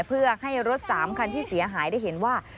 เพื่อให้รถ๓คันที่เสียหายได้เห็นว่า